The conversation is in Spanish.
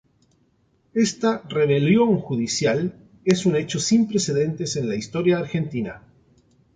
Esta "rebelión judicial" es un hecho sin precedentes en la historia argentina.